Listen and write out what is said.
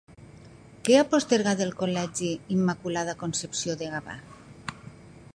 Què ha postergat el Col·legi Immaculada Concepció de Gavà?